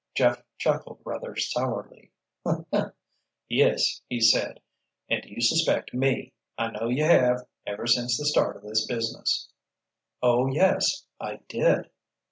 Jeff chuckled rather sourly. "Yes," he said. "And you suspect me. I know you have, ever since the start of this business——" "Oh, yes—I did."